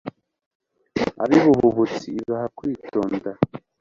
ab'ibihubutsi ibaha kwitonda